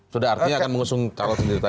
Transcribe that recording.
sudah artinya akan mengusung calon sendiri